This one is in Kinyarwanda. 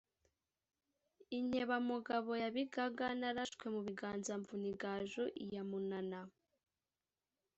Inkebamugabo ya Bigaga, narashwe mu biganza mvuna igaju lya Munana.